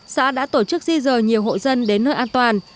xã đã tổ chức di rời nhiều hộ dân đến nơi an toàn